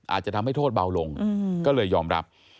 อาจจะทำให้โทษเบาลงก็เลยยอมรับ